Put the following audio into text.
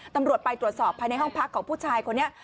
ตำรวจไปตรวจสอบภายในห้องพักของผู้ชายคนนี้